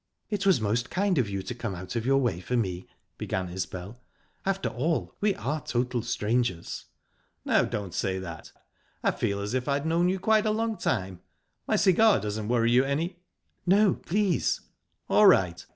"It was most kind of you to come out of your way for me," began Isbel. "After all, we are total strangers." "Now, don't say that; I feel as if I'd known you quite a long time ...My cigar doesn't worry you any?" "No, please..." "All right.